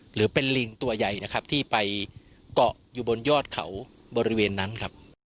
หรือเป็นลิงตัวใหญ่นะครับที่ไปเกาะอยู่บนยอดเขาบริเวณนั้นครับ